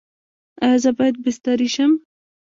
ایا زه باید بستري شم؟